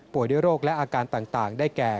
ด้วยโรคและอาการต่างได้แก่